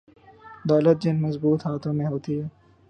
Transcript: دولت جن مضبوط ہاتھوں میں ہوتی ہے۔